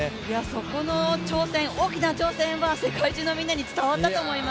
そこの大きな挑戦は、世界中のみんなに伝わったと思います。